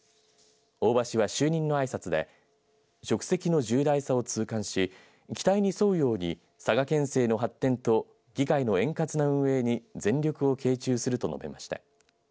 大場氏は就任のあいさつで職責の重大さを痛感し期待に添うように佐賀県政の発展と議会の円滑な運営に全力を傾注すると述べました。